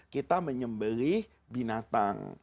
kita menyembelih binatang